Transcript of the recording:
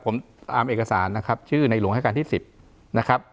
ผมตามเอกสารนะครับชื่อในหลวงราชการที่๑๐นะครับ